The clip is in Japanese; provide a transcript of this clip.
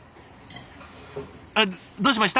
あっどうしました？